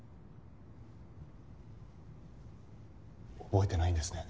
覚えてないんですね。